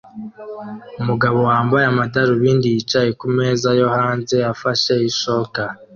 Umugabo wambaye amadarubindi yicaye kumeza yo hanze afashe ishoka